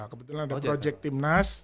kebetulan ada projek timnas